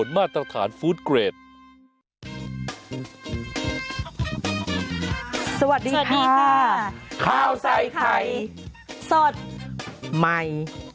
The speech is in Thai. ไม่